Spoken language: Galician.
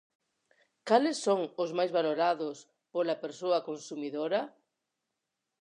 Cales son os máis valorados pola persoa consumidora?